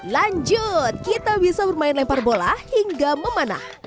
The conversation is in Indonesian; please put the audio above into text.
lanjut kita bisa bermain lempar bola hingga memanah